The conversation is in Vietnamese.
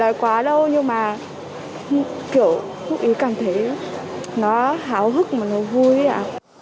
không phải quá đâu nhưng mà kiểu hút ý cảm thấy nó hào hức mà nó vui ạ